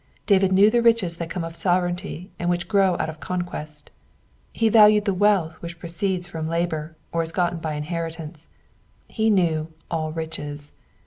David knew the riches that come of sovereignty and which grow out of conquest ; he valued the wealth which proceeds from labour, or is gotten by inheritance: he knew all riches."